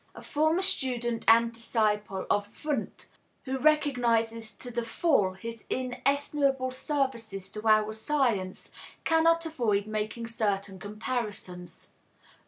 A former student and disciple of Wundt, who recognizes to the full his inestimable services to our science, cannot avoid making certain comparisons.